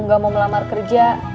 ga mau melamar kerja